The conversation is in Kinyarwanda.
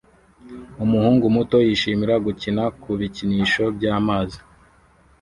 Umuhungu muto yishimira gukina ku bikinisho by'amazi